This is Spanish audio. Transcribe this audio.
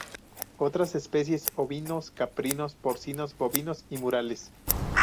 Otras especies: ovinos, caprinos, porcinos, bovinos y mulares.